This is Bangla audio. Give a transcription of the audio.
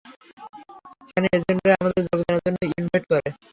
সেখানে এজেন্টরাই আমাদের যোগদানের জন্য ইনভাইট করে।